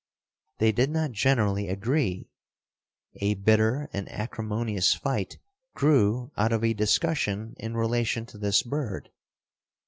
They did not generally agree. A bitter and acrimonious fight grew out of a discussion in relation to this bird.